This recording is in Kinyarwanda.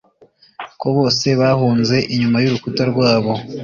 ko bose bahunze inyuma y'urukuta rwabo